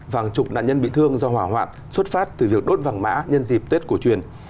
vàng trục nạn nhân bị thương do hỏa hoạn xuất phát từ việc đốt vàng mã nhân dịp tết của truyền